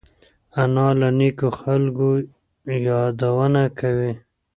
انا له نیکو خلقو یادونه کوي